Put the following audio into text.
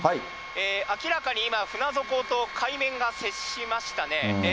明らかに今、船底と海面が接しましたね。